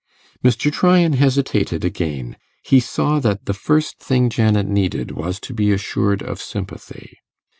Mr. Tryan hesitated again. He saw that the first thing Janet needed was to be assured of sympathy.